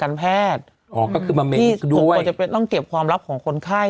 การแพทย์อ๋อก็คือด้วยต้องเก็บความลับของคนไข้